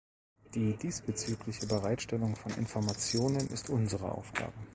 Die diesbezügliche Bereitstellung von Informationen ist unsere Aufgabe.